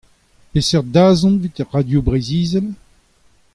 Peseurt dazont evit Radio Breizh Izel ?